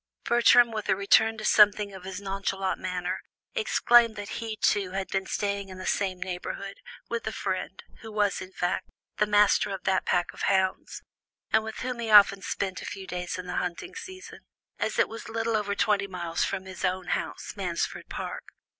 Bertram, with a return to something of his nonchalant manner, explained that he, too, had been staying in the same neighbourhood, with a friend, who was, in fact, the master of that pack of hounds, and with whom he often spent a few days in the hunting season, as it was little over twenty miles from his own house, Mansfield Park.